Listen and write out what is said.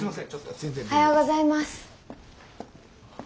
おはようございます。